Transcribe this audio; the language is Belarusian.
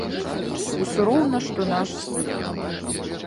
Усё роўна што наш сын.